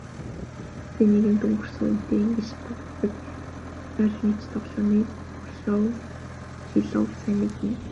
Гэхдээ нэгэнт өнгөрсөн хүнтэй ингэж тоглодог сталинч тоглоомыг Ворошилов сайн мэднэ.